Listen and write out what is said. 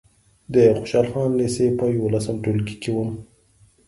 د خوشحال خان لېسې په یولسم ټولګي کې وم.